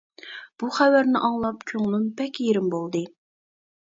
بۇ خەۋەرنى ئاڭلاپ كۆڭلۈم بەك يېرىم بولدى.